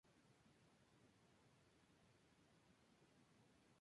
Fue considerado como uno de los personajes de alta influencia en el fútbol florentino.